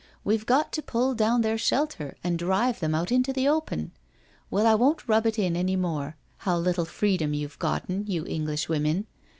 We've got to pull down their shelter and drive them out into the open. Well, I won't rub it in any more how little fre^om you've gotten, you Englishwomen.